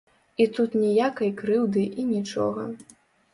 І тут ніякай крыўды і нічога.